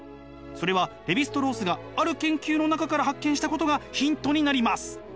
それはレヴィ＝ストロースがある研究の中から発見したことがヒントになります。